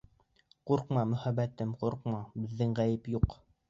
— Ҡурҡма, мөхәббәтем, ҡурҡма, беҙҙең ғәйеп юҡ.